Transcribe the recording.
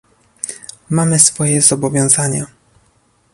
Mamy swoje zobowiązania